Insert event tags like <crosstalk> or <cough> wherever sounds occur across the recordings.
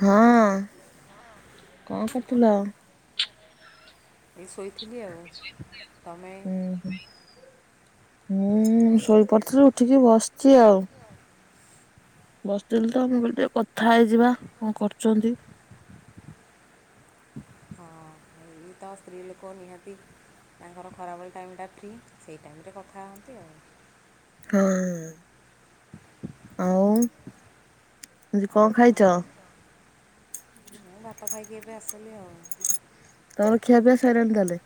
ହଁ। ଙ୍କ କରୁଥିଲ? ଏଇ ଶୋଇଥି ହୁଁ। ହୁଁ ଶୋଇପଡିଥିଲି, ଉଠିକି ବସିଛି ଆଉ। ବସିଥିଲି ତ, ମୁଁ କହିଲି ଟିକେ କଥା ହେଇଯିବା, କଣ କରୁଛନ୍ତି? ହଁ ଏଇ ତ ସ୍ତ୍ରୀ ଲୋକ ନିହାତି ତାଙ୍କର ଖରାବେଳି ଟାଇମ୍ ଟା ଫ୍ରୀ, ସେଇ ଟାଇମରେ କଥା ହୁଅନ୍ତି ଆଉ ହଁ ଆଉ। କଣ ଖାଇଛ? ଭାଇକି ଏବେ ଆସେନି ଆଉ। ତମର ଖିଆପିଆ ସଇଲାଣି ତାହେଲେ।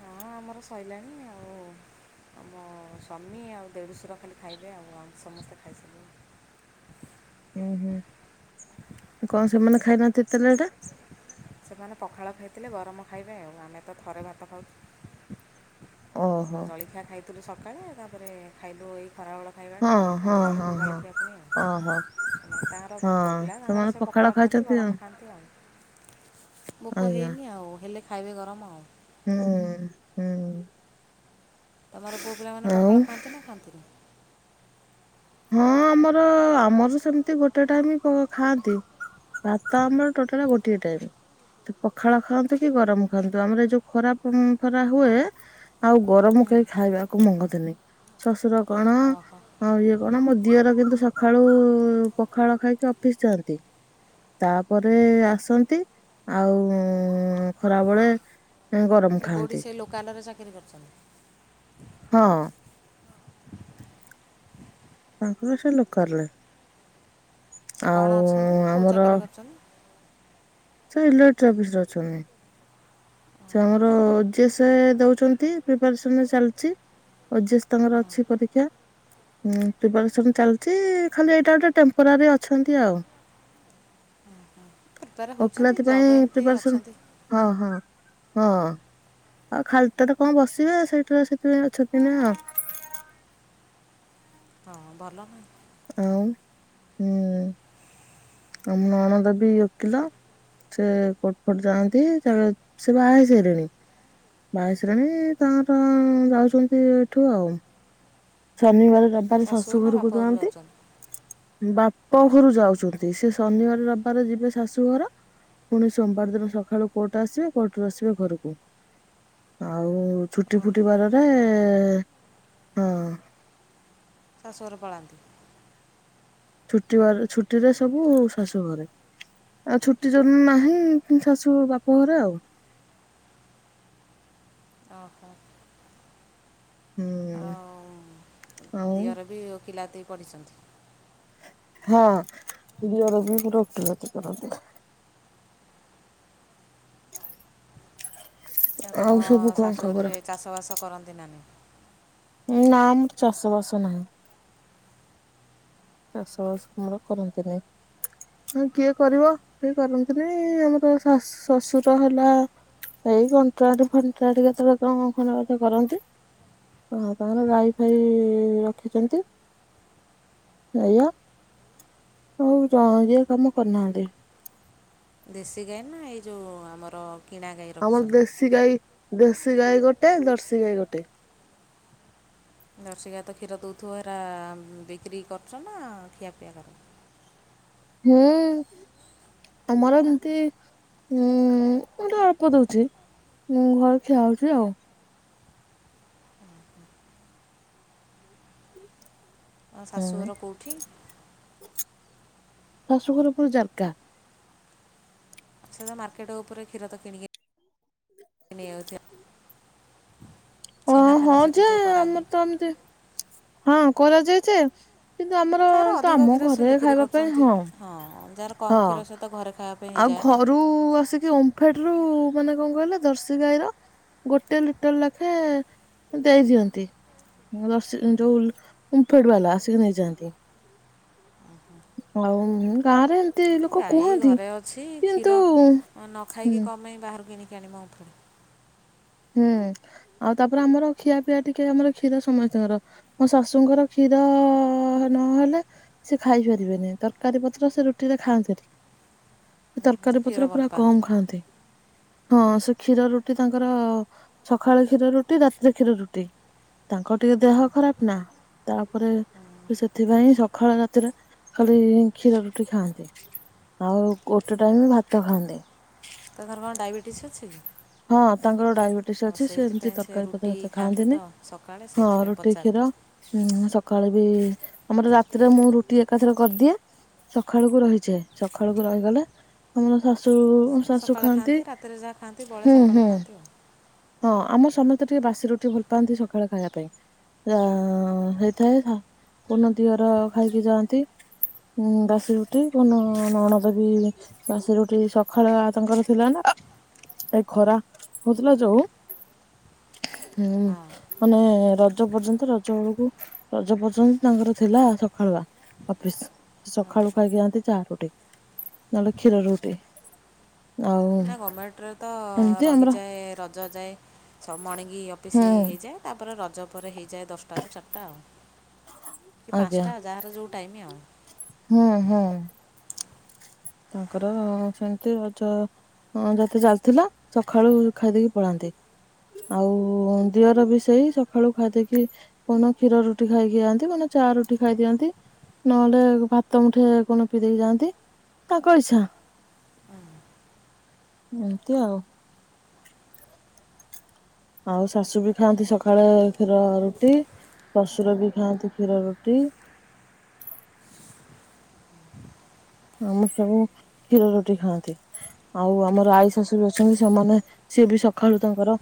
ହଁ ଆମର ସଇଲାଣି, ଆଉ ଆମ ସ୍ୱାମୀ ଆଉ ଦେଢ଼ୁଶୁର ଖାଲି ଖାଇବେ, ଆଉ ଆମ ସମସ୍ତେ ଖାଇସାରିଲୁଣି। ଓୁଁ ହୁଁ କଣ ସେମାନେ ଖାଇନାହାନ୍ତି ଏତେ ଲେଟ୍? ସେମାନେ ପଖାଳ ଖାଇଥିଲେ। ଗରମ ଖାଇବେ ଆଉ ଆମେ ତ ଥରେ ଭାତ ଖାଉଛୁ। ଓହୋ ଆଉ ହଁ ଜଳଖିଆ ଖାଇଥିଲୁ ସ ସକାଳେ ତାପରେ ଖାଇଲୁ ଏଇ ଖରାବେଳ ହଁ ଖାଇବାଟା ଆଉ ହଁ ହଁ ସନ୍ଧ୍ୟାବେଳକୁ ହଁ ଜଳଖିଆ ପୁଣି ଆଉ ଓହୋ ତାଙ୍କର ହଁ ପୁଅ ପିଲା ତାଙ୍କର ସେମାନେ ସେ ପଖାଳ ଖାଇଛନ୍ତି ଆଉ। ବୋକ ଆଜ୍ଞା ହେଇନି ଆଉ ହେଲେ ଖାଇବେ ଗରମ ଆଉ। ହୁଁ ହୁଁ। ତମର ପୁଅ ପିଲାମାନେ ଆଉ ପଖାଳ ଖାଆନ୍ତି ନା ଖାଆନ୍ତିନି? ହଁ ଆମର ଆମର ସେମିତି ଗୋଟେ ଟାଇମ ଖାଆନ୍ତି। ଭାତ ଆମର ଟୋଟାଲ ଗୋଟେ ଟାଇମ ପଖାଳ ଖାଆନ୍ତୁ କି ଗରମ ଖାଆନ୍ତୁ। ଆମର ଏ ଯୋଉ ଖରା ଫରା ହୁଏ ଆଉ ଗରମ କେହି ଖାଇବା ଆକୁ ମଙ୍ଗନ୍ତିନି ଶଶୁର କଣ ଓହୋ ଆଉ ଇଏ? କଣ ମୋ ଦିଅର କିନ୍ତୁ ସକାଳୁ ପଖାଳ ଖାଇକି ଅଫିସ୍ ଯାଆନ୍ତି। ତାପରେ ଆସନ୍ତି ଆଉ ଖରାବେଳେ ହୁଁ ଗରମ ଖାଆନ୍ତି। ବିକରି କରିଛନ୍ତିଛନ୍ତି <inaudible> ହଁ ଅଁ। ତାଙ୍କର ସେ ଲୋକାଲରେ ସେ କଅଣ ଅଛନ୍ତି। କୋଉ ଚାକିରିୀ କରୁଛନ୍ତି? ସେ ଇଲେକ୍ଟ୍ରି ଅଫିସରେ ଅଛନ୍ତି। ସେ ଓହୋ ଆମର ଓ ଜେସ ଦଉଛନ୍ତି ପ୍ରିପାରେସନ ଚାଲିଛି ଓ ଜେସ ତାଙ୍କର ଅଛି ପରୀକ୍ଷା ପ୍ରିପାରେସନ ଚାଲିଛି ଖାଲି ଏଇଟା ଗୋଟେ ଟେମ୍ପୋରାରୀ ଅଛନ୍ତି ଆଉ। ପ୍ରିପେୟାର ହେଉଛନ୍ତି ଓକିଲାତି ଜବ୍ ପାଇଁ ଏମିତି ପ୍ରିପାରେସନ ଅଛନ୍ତି ହଁ ହଁ। ହଁ ଆଉ ଖାଲିଟାରେ କଣ ବସିବେ ସେଇଠି ସେଥିପାଇଁ ଅଛନ୍ତି ଏଇନା। ହଁ ଭଲ ନା। ଆଉ ହୁଁ ଆଉ ମୋ ନଣନ୍ଦ ବି ଓକିଲ ସେ କୋଟ୍ ଫୋଟ ଯାଆନ୍ତି। ସେ ବାହା ହେଇସାଇଲେଣି ବାହା ହେଇସାଇଲେଣି ତାଙ୍କର ଯାଉଛନ୍ତି ଏଠୁ ଆଉ। ଶନି ବାରରେ ରବି ବାରେ ଶାଶୁ ନା ବାପ ଘରକୁ ଘରୁ ଯଆନ୍ତି। ଯାଉଛନ୍ତି ବାପ ଘରୁ ଯାଉଚନ୍ତି ସେ ଶନିବାର ରବିବାର ଯିବେ ଶାଶୁଘର ପୁଣି ସୋମବାର ଦିନ ସକାଳୁ କୋର୍ଟ ଆସିବେ କୋର୍ଟରୁ ଆସିବେ ଘରକୁ ଆଉ ଛୁଟି ଓହୋ ଫୁଟି ବାରରେ ହଁ। ଶାଶୁ ଘର ପଳାନ୍ତି। ଛୁଟି ବାରେ ଛୁଟିରେ ସବୁ ଶାଶୁ ଘରେ ଆଉ ଛୁଟି ଯଦି ନାହିଁ ଶାଶୁ ବାପ ଘରେ ଆଉ। ଅହ। ହୁଁ ଆଉ ଆଉ ଦିଅର ବି ଓକିଲାତି ପଢ଼ିଛନ୍ତି। ହଁ ଦିଅର ବି ମୋର ଓକିଲାତି କରନ୍ତି। ଆ ଆଉ ତମ ସବୁ କଣ ଖବର? ଶାଶୁଘରେ ଚାଷ ବାସ କରନ୍ତି ନା ନାଇଁ? ନା ଆମର ଚାଷବାସ ନାହିଁ। ଚାଷ ବାସ ଆମର କରନ୍ତି ନାଇଁ ହଁ କିଏ କରିବ କେଇ କରନ୍ତି ନାଇଁ ଆମର ଶାଶ ଶଶୁର ହେଲା ଏଇ କଣ୍ଟ୍ରାକ୍ଟ ଫଣ୍ଟ୍ରାକ୍ଟ କେତେବେଳେ କଣ ଖଣ୍ଡେ ଅଧେ କରନ୍ତି ମା ତାଙ୍କର ଗାଈ ଫାଇ ରଖିଚନ୍ତି। ଏୟା ଆଉ ଯୋଉ ଇଏ କାମ କରୁନାହାନ୍ତି। ଦେଶୀ ଗାଈନା ଏଇ ଯୋଉ ଆମର କିଣା ଗାଈ ଆମର ରଖିଛନ୍ତି ଦେଶି ଗାଈ ଦେଶୀ ଗାଈ ଗୋଟେ ଦର୍ସି ଗାଈ ଗୋଟେ। ଦର୍ସି ଗାଈ ତ କ୍ଷୀର ଦୋଉଥୁବ ହେରା ବିକ୍ରି କରୁଚ ନା ଖିଆ ପିଆ କର। ହୁଁ ଆମର ଯେମିତି ଉଁ <unintelligible> ଅଳ୍ପ ଦଉଚି ଉଁ ଖିଆ ହଉଚି ଆଉ। ହୁଁ। ଶାଶୁଘର କୋଉଠି? ଶାଶୁଘର ପୁର ଜାରକା। ଆଛା ତମେ ମାର୍କେଟ ଉପରେ କ୍ଷୀର ତ କିଣିକି ନେଇ ଯାଉଚି। ଅଁ ହଁ ଯେ ଯେଉଁ କରାହୁଏ ଆମର ତ ଏମତି ହଁ କରାଯାଏ ଯେ। କିନ୍ତୁ ଆମର ଯାହାର ତ ଅଧିକ ଆମ କ୍ଷୀର ସେ ଘରେ ବିକ୍ରି ଖାଇବା ପାଇଁ କରୁଚନ୍ତି। ହଁ ଯାହାର କମ ହଁ। କ୍ଷୀର ସେତ ଘରେ ଖାଇବା ପାଇଁ ହେଇଯାଏ ନା। ଓମଫେଡ ରୁ ମାନେ କଣ କହିଲ ଦର୍ସି ଗାଈ ର ଗୋଟେ ଲିଟର ଲ ଖେ ଦେଇ ଦିଅନ୍ତି ଦର୍ସି ଯୋଉ ଓମଫେଡ ବାଲା ଆସିକି ନେଇଯାଆନ୍ତି। ହଉ ଗାଁ ରେ ଗାଈ ଘରେ ଅଛି କ୍ଷୀର ନ ହୁଁ ଖାଇକି କଅଁପାଏଁ ବାହାରୁ କିଣି <unintelligible> ହୁଁ ଆଉ ତାପରେ ଆମର ଖିଆ ପିଆ ଟିକେ ଆମର କ୍ଷୀର ସମସ୍ତିଙ୍କର। ମୋ ଶାଶୁଙ୍କର କ୍ଷୀର ନହେଲେ ସେ ଖାଇପାରିବେନି ତରକାରୀ ପତ୍ର ସେ ରୁଟିରେ ଖାଆନ୍ତି ନି। ତରକାରୀ କ୍ଷୀର ପତ୍ର ଭଲ ପୁରା ପାଆନ୍ତି କମ ଖାଆନ୍ତି। ହଁ ସେ କ୍ଷୀର ରୁଟି ତାଙ୍କର ଅ ସକାଳେ କ୍ଷୀର ରୁଟି ରାତିରେ କ୍ଷୀର ରୁଟି। ତାଙ୍କ ଟିକେ ଦେହ ଖରାପ ନା ତାପରେ ସେଥିପାଇଁ ସକାଳେ ରାତିରେ ଖାଲି କ୍ଷୀର ରୁଟି ଖାଆନ୍ତି ଆଉ ଗୋଟେ ଟାଇମ ଭାତ ଖାଆନ୍ତି। ତାଙ୍କର କଣ ଡାଇବେଟିସ୍ ଅଛି କି? ହଁ ତାଙ୍କର ଡାଇବେଟିସ ଆଉ ଅଛି ସେ ଏମତି ସେଇଥିପାଇଁ ସେ ତରକାରୀ ପତ୍ର ରୁଟି ଏତେ ଖାଆନ୍ତି ତ ଖାଆନ୍ତିନି ସକାଳେ ହଁ ସେଇଥିପାଇଁ ରୁଟି ପଚାରିଲି କ୍ଷୀର ସକାଳେ। ଆମର ରାତିରେ ମୁଁ ରୁଟି ଏକାଥରେ କରିଦିଏ ସଖାଳକୁ ରହିଯାଏ ସଖାଳକୁ ରହିଗଲେ ଆମର ଶାଶୁ ସକାଳେ ଖାଆନ୍ତି ରାତିରେ ଯାଆ ଖାଆନ୍ତି। ବଳେ ହୁଁ ସକାଳୁ ହୁଁ ଖାଆନ୍ତି ଆଉ। ହଁ ଆମ ସମସ୍ତେ ଟିକେ ବାସି ରୁଟି ଭଲ ପାଆନ୍ତି ସଖାଳେ ଖାଇବା ପାଇଁ ଆ ହେଇଥାଏ କଉନ ଦିଅର ଖାଇକି ଯାଆନ୍ତି ଉ ବାସି ରୁଟି କଉନ ନଣଦ ବୀ ବାସି ରୁଟି ସଖାଳେ ତାଙ୍କର ଥିଲା ନା ଏ ଖରା ହଉଥିଲା ଯୋଉ ଉଁ ହଁ ମାନେ ରଜ ପର୍ଯ୍ୟନ୍ତ ରଜ ବେଳକୁ ରଜ ପର୍ଯ୍ୟନ୍ତ ତାଙ୍କର ଥିଲା ସଖାଲୁଆ, ଅଫିସ। ସଖଳୁ ଖାଇକି ଯାଆନ୍ତି ଚା ରୁଟି ନହେଲେ କ୍ଷୀର ରୁଟି। ଆଉ ତଅ ଏମିତି ଆମର ରହିଯାଏ ରଜ ଯାଏ ସା ମାଣୀଙ୍ଗି ହୁଁ ଅଫିସ ହେଇଯାଏ ତାପରେ ରଜ ଜ ପରେରେ ହେଇ ଯାଏ ଦଶଟାରୁ ଚାରିଟା। କି ଆଜ୍ଞା ପାଞ୍ଚଟା ଯାହାର ଯେଉଁ ଟାଇମ ଆଉ ହୁଁ ହୁଁ ତାଙ୍କର ସେମିତି ରଜ ଯେତେ ଚାଲିଥିଲା ସକାଳୁ ଖାଇଦେଇକି ପଳାନ୍ତି। ଆଉ ଦିଅର ବି ସେଇ ସକାଳୁ ଖାଇଦେଇକି କଣ କ୍ଷୀର ରୁଟି ଖାଇକି ଯାଆନ୍ତି କଉଦିନ ଚା ରୁଟି ଖାଇଦିଅନ୍ତି ନହେଲେ ଭାତ ମୁଠେ କୋଉଦିନ ପିଇ ଦେଇେଇକି ଯାଆନ୍ତି। ତାଙ୍କ ଇଛା। ଏମତି ଆଉ ଆଉ ଶାଶୁ ବି ଖାଆନ୍ତି ସକାଳେ କ୍ଷୀର ରୁଟି ଶ୍ୱଶୁର ବି ଖାଆନ୍ତି କ୍ଷୀର ରୁଟି ଆମର ସବୁ କ୍ଷୀର ରୁଟି ଖାଆନ୍ତି। ଆଉ ଆମର ଆଈ ଶାଶୁବି ଅଛନ୍ତି ସେମାନେ ସିଏ ବି ସକାଳୁ ତାଙ୍କର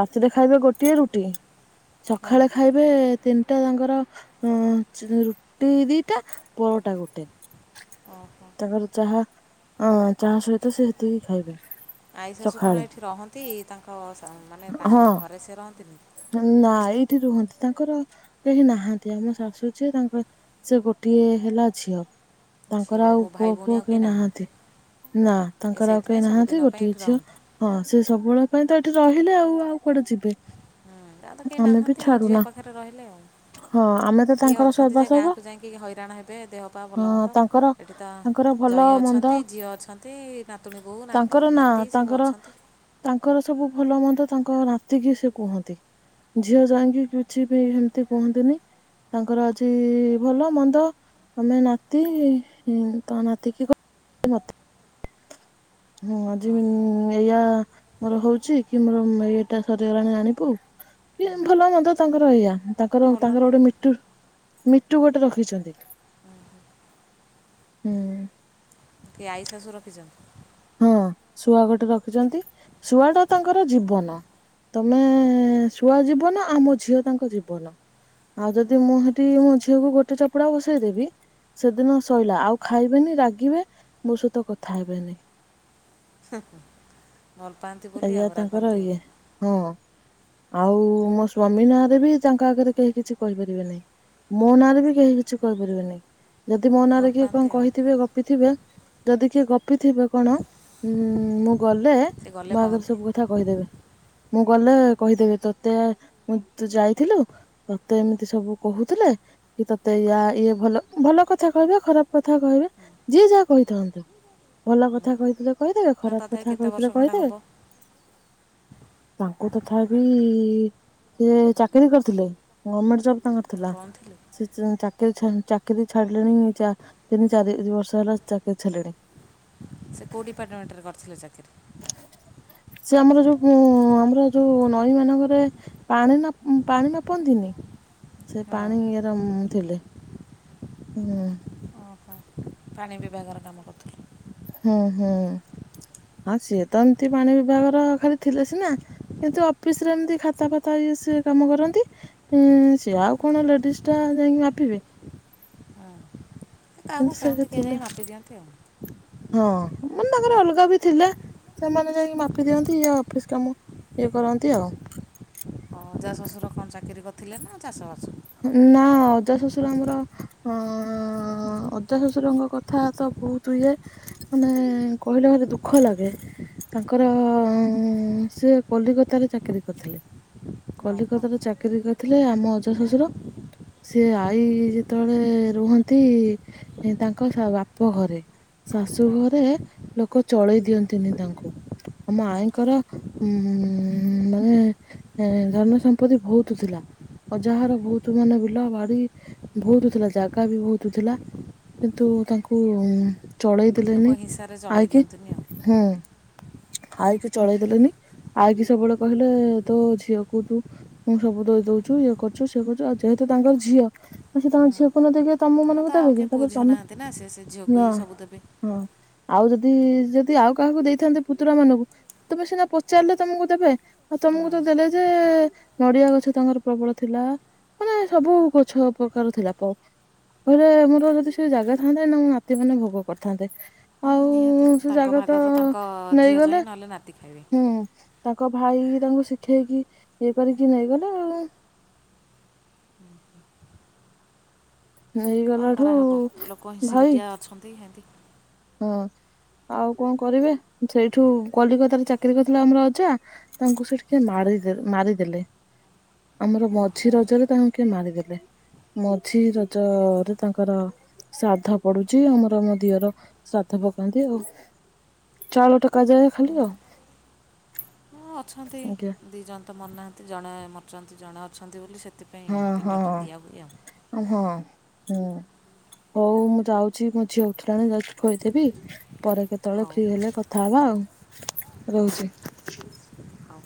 ରାତିରେ ଖାଇବେ ଗୋଟିଏ ରୁଟି ହଁ ସକାଳେ ଖାଇବେ ତିନି ଟା ତାଙ୍କର ଅ ରୁଟି ଦିଟା ପରଟା ଗୋଟେ ଓହୋ ତାଙ୍କର ଯାହା ହଁ ଚା ସହିତ ସେ ସେତିକି ଖାଇବେ ଆଇ ଶାଶୁ କଣ ସକାଳେ ଏଠି ରହନ୍ତି ତାଙ୍କ ମାନେ ହଁ ତାଙ୍କ ଘରେ ସେ ରହନ୍ତି ନା ଏଇଠି ରୁହନ୍ତି। ତାଙ୍କର କେହି ନାହାନ୍ତି ଆମ ଶାଶୁ ଯିଏ ତାଙ୍କର ସେ ଗୋଟିଏ ହେଲା ଝିଅ ଝିଅ ତାଙ୍କର ଆଉ ହଉ ଭାଇ ପୁଅ ଭଉଣୀ ଫୁଅ ଆଉ କେହି ନାହାନ୍ତି। ନା ଏ ତାଙ୍କର ଆଉ ସେଇଥିପାଇଁ କେହି ନାହାନ୍ତି ସବୁଦିନ ପାଇଁ ଗୋଟଏ ଏଠି ଝିଅ ରହନ୍ତି ହଁ ସେ ସବୁବେଳେ ମାନେ ତ ଏଠି ରହିଲେ ଆଉ ଆଉ କୁଆଡେ ଯିବେ? ତା ତ କେହି ଆମେ ବି ନାହାନ୍ତି ଆଉ ଝିଅ ଛାଡୁନା ପାଖରେ ରହିଲେ ଆଉ ହଁ ଆମେ ତ କେହି ନାହାନ୍ତି ଝିଅ ପାଖରେ ରହିଲେ ଆଉ କିଏ ତାଙ୍କର ଅଛନ୍ତି ଯେ ସର୍ବାସର୍ବା ଗାଁକୁ ଯାଇକି ହଇରାଣ ହେବେ ଦେହ ପାା ଭଲ ହଁ ମନ୍ଦ ତାଙ୍କର ଏଠି ତ ତାଙ୍କର ଭଲ ଯୋଇଁ ମନ୍ଦ ଅଛନ୍ତି ଝିଅ ଅଛନ୍ତି ନାତୁଣୀ ବୋଉ ନାତୁ ତାଙ୍କର ନା ନାତି ସବୁ ତାଙ୍କର ଅଛନ୍ତି। ତାଙ୍କର ସବୁ ଭଲ ମନ୍ଦ ତାଙ୍କ ନାତିକି ସେ କୁହନ୍। ଝିଅ ଯାଇକି କିଛି ବି ସେମିତି କୁହନ୍ତିନି ତାଙ୍କର ଆଜି ଝିଅ ଜଇଁ କି କିଛି ବି କୁହନ୍ତିନି। ଭଲ ମନ୍ଦ ତମେ ନାତି ତ ନାତିକି ମତେ ହଁ ଆଜି ଏଇଆ ମୋର ହଉଛି କି ମୋର ଏଇଟା ସରିଗଲାଣି ଜାଣିପୁ କି ଭଲ ମନ୍ଦ ତାଙ୍କର ଏଇଆ। ତାଙ୍କର ଭଲ ନା ତାଙ୍କର ଗୋଟେ ମିଟୁ ମିଟୁ ଗୋଟେ ରଖିଛନ୍ତି ହୁଁ। କିଏ ଆଈ ଶାଶୁ ରଖିଛନ୍ତି। ହଁ ଶୁଆ ଗୋଟେ ରଖିଚନ୍ତି ଶୁଆଟା ତାଙ୍କର ଜୀବନ ତମେ ଶୁଆ ଜୀବନ ଆମ ଝିଅ ତାଙ୍କ ଜୀବନ ଆଉ ଯଦି ମୁଁ ସେଠି ମୋ ଝିଅକୁ ଗୋଟେ ଚପୁଡା ବସେଇଦେବି ସେଦିନ ଶଇଲା ଆଉ ଖାଇବେନି ରାଗିବେ ମୋ ସହିତ କଥା ହେବେନି। ହୁଁହଁ ଏଇଆ ତାଙ୍କର ଇଏ ହଁ ଆଉ ମୋ ସ୍ଵାମୀ ନାଁରେ ବି ତାଙ୍କ ଆଗରେ କେହି କିଛି କହିପାରିବେ ନାହିଁ ମୋ ନାଁରେ ବି କେହି କିଛି କହିପାରିବେ ନାହିଁ। ଯଦି ମୋ ଭଲ ନାଁରେ କିଏ ପାଆନ୍ତି କଣ ଆଉ କହିଥିବେ ଗପିଥିବେ ଯଦି କିଏ ଗ ପିଇ ଥିବେ କଣ ମୁଁ ଗଲେ ସେ ଗଲେ ମୋ ଆଗରେ କହନ୍ତି ସବୁ କଥା କହିଦେବେ। ମୁଁ ଗଲେ କହିଦେବେ ତୋତେ ମୁଁ ତୁ ଯାଇଥିଲୁ ତତେ ଏମିତି ସବୁ କୋହୁଥିଲେ କି ତୋତେ ୟା ଇଏ ଭଲ ଭଲ କଥା କହିବେ ଖରାପ କଥା କହିବେ ଯିଏ ଯାହା କହିଥାନ୍ତୁ ଭଲ କଥା କହିଥିଲେ କହିଦେବେ ନା ଖରାପ ତଥାପି କଥା କେତେ ବର୍ଷ କହିଥିଲେ ଖଣ୍ଡେ ହେବ କହିଦେବେ। ତାଙ୍କୁ ତଥାପି ସେ ଚାକିରି କରିଥିଲେ ଗମେଣ୍ଟ ଜବ୍‌ ତାଙ୍କର କରିଥିଲା କ'ଣ ଥିଲୁ ସେ ଚ୍-ଚାକ୍ କିର୍ ଛନ୍ ଚାକିରୀ ଛାଡିଲେଣି ଚା ତିନି ଚାରି ବର୍ଷ ହେଲା ଚାକିରୀ ଛାଡ଼ିଲେଣି। ସେ କୋଉ ଡିପାର୍ଟମେଣ୍ଟରେ କରିଥିଲେ ଚାକିରି? ସେ ଆମର ଯୋଉ ଆମର ଯୋଉ ନଈ ମାନଙ୍କରେ ପାଣି ମା ପାଣି ନାପନ୍ତିନି ସେ ହଁ ପାଣି ଇଏ ରେ ଉଁ ଥିଲେ ହୁଁ। ଓହୋ ପାଣି ବିଭାଗର କାମ କରୁଥିଲେ। ହୁଁ ହୁଁ ସିଏ ତ ଏମିତି ପାଣି ବିଭାଗର ଖାଲି ଥିଲେ ସିନା କିନ୍ତୁ ଅଫିସ ରେ ଏମିତି ଖାତା ଫତା ଇଏ ସିଏ କାମ କରନ୍ତି। ସିଏ ଆଉ କଣ ଲେଡିସ୍‌ ଟା ଯାଇକି ମାପିବେ। କାହାକୁ କିନ୍ତୁ ସେ କୁହନ୍ତି କିଏ ଥିଲେ ଯାଇ ମାପିଦିଅନ୍ତି ହଁ ଆଉ। ମାନେ ତାଙ୍କର ଅଲଗା ବି ଥିଲା ସେମାନେ ଯାଇକି ମାପି ଦିଅନ୍ତି ଇ ଅଫିସ କାମ ଇଏ କରନ୍ତି ଆଉ। ହଁ ଅଜା ଶ୍ୱଶୁର କଣ ଚାକିରି କରିଥିଲେ ନା ଚାଷବାସ? ନା ଅଜା ଶଶୁର ଆମର ଅ ଅଜା ଶ୍ୱଶୁରଙ୍କ କଥା ତ ବୋହୁତ ଇଏ ମାନେ କହିଲେ ଭାର ଦୁଃଖ ଲାଗେ। ତାଙ୍କର ସିଏ କଲିକତାରେ ଚାକିରୀ କରିଥିଲେ ଓହୋ କଲିକତାରେ ଚାକିରୀ କରିଥିଲେ ଆମ ଅଜା ଶ୍ୱଶୁର। ସେ ଆଈ ଯେତେବେଳେ ରୁହନ୍ତି ତାଙ୍କ ଶ୍ ବାପ ଘରେ ଶାଶୁ ଘରେ ଓହୋ ଲୋକ ଚଳେଇ ଦିଅନ୍ତିନି ତାଙ୍କୁ। ଆମ ଆଈଙ୍କର ଓହୋ ଉଁ ମାନେ ଧନ ସମ୍ପତ୍ତି ବୋହୁତ ଥିଲା। ଅଜାଘର ବୋହୁତ ଯୋଉ ମାନେ ବିଲ ବାଡି ବୋହୁତ ଥିଲା ଜାଗା ବି ବୋହୁତ ଥିଲା କିନ୍ତୁ ତାଙ୍କୁ ଚଳେଇ ଦେ ଲୋକ ଲେନି ହିଂସାରେ ଆଈ ଚଳେଇ କି ଦିଅନ୍ତୁନି ଆଉ ହୁଁ। ଆଈକି ଚଳେଇ ଦେଲେନି। ଆଈ କିି ସବୁବେଳେ କହିଲେ ତୋ ଝିଅକୁ ତୁଁ ସବୁ ଦେଇଦୋଉଚୁ ଇଏ କରୁଚୁ ସିଏ କରୁଚୁ। ଆଉ ଯେହେତୁ ତାଙ୍କର ଝିଅ ସେ ତାଙ୍କ ଝିଅକୁ ନ ଦେଇକି ତ ତମ ତାଙ୍କ ମାନ ତ ଆଉ କେହି ପୁଅ ଝିଅ ନାହାଁନ୍ତି ନା ସେ ସେ ଝିଅକୁ ହି ସବୁ ଦେବେ। ହଁ ଆଉ ଯଦି ଯଦି ଆଉ କାହାକୁ ଦେଇଥାନ୍ତେ ପୁତୁରା ମାନଙ୍କୁ ତମେ ସିନା ପଚାରିଲେ ତମକୁ ଦେବେ ଆଉ ତମକୁ ହୁଁ ତ ଦେଲେ ଯେ ନଡିଆ ଗଛ ତମର ପ୍ରବଳ ଥିଲା। ମାନେ ସବୁ ଗଛ ପ୍ରକାର ଥିଲା ପା ଖରେ ମୋର ଯଦି ସେ ଜାଗା ଥାନ୍ତା ଏଇନା ମୋ ନାତି ମାନେ ଭୋଗ କରିଥାନ୍ତେ। ଆଉ ନିହାତି ସେ ତାଙ୍କ ଜାଗା ଭାଗ ତ ତାଙ୍କ ଝିଅ ନେଇଗଲେ ଜଇଁ ନହେଲେ ନାତି ଖାଇବେ। ହୁଁ ତାଙ୍କ ଭାଇ ଇ ରା ଙ୍କୁ ଶିଖେଇକି ଇଏ କରିକି ନେଇଗଲେ ଆଉ। କଣ ନେଇଗଲାଠୁ କରାହବ ଲୋକ ଭାଇ ହିଂସୀକିଟିଆ ଅଛନ୍ତି ହେନ୍ତି। ହଁ ଆଉ କଣ କରିବେ ସେଇଠୁ କଲିକତାରେ ଚାକିରି କରିଥିଲେ ଆମର ଅଜା ତାଙ୍କୁ ସେଠି କିଏ ହଁ ମାଡିଦେ ମାରିଦେଲେ ଆମର ଓହୋ ମଝି ରଜରେ ତାଙ୍କୁ କିଏ ମାରିଦେଲେ। ମଝି ରଜରେ ତାଙ୍କର ଶ୍ରାଦ୍ଧ ପଡୁଚି। ଆମର ମୋ ଦିଅର ଶ୍ରାଦ୍ଧ ପକାନ୍ତି ଆଉ। ଚାଉଳ ଟେକା ଯାଏ ଖାଲି ଆଉ। ହଁ ଅଛନ୍ତି ଆଜ୍ଞା ଦିଇଜଣ ତ ମରି ନାହାନ୍ତି। ଜଣେ ମରିଛନ୍ତି ଜଣେ ଅଛନ୍ତି ବୋଲି ସେ- ହଁ ହଁ ହଁ। ହୁଁ ହଉ ମୁଁ ଯାଉଛି ମୋ ଝିଅ ଉଠିଲାଣି ଯାଉଛି ଖୁଆଇ ଦେବି। ପରେ କେତେବେଳେ ହଉ ଫ୍ରି ହେଲେ କଥା ହବା ଆଉ। ହଉ ରହୁଛି। ହଉ